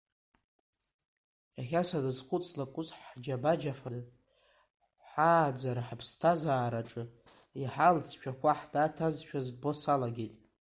Иахьа саназхәыцлак ус ҳџьабаџьафаны ҳааӡара ҳаԥсаҭазаараҿы иаҳа алҵшәақәа ҳнаҭазшәа збо салагеит.